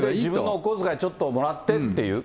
自分のお小遣いちょっともらってっていう？